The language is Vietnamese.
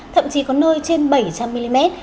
thậm chí có nơi trên bảy trăm linh mm